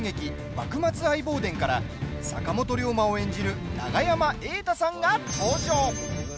「幕末相棒伝」から坂本龍馬を演じる永山瑛太さんが登場。